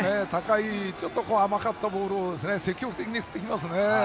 ちょっと甘かったボールを積極的に振ってきますね。